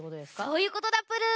そういうことだプル。